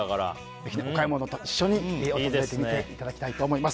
ぜひお買い物と一緒に訪れてみていただきたいと思います。